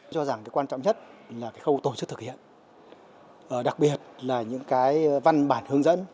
cho rằng cái quan trọng nhất là cái khâu tổ chức thực hiện đặc biệt là những cái văn bản hướng dẫn